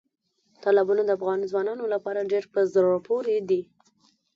تالابونه د افغان ځوانانو لپاره ډېره په زړه پورې دي.